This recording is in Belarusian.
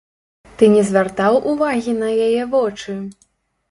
Ты не звяртаў увагі на яе вочы?